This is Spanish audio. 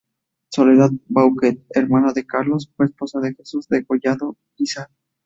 Soledad Bouquet, hermana de Carlos, fue esposa de Jesús Degollado Guízar.